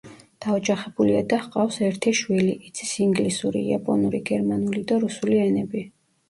დაოჯახებულია და ჰყავს ერთი შვილი, იცის ინგლისური, იაპონური, გერმანული და რუსული ენები.